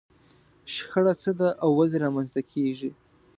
شخړه څه ده او ولې رامنځته کېږي؟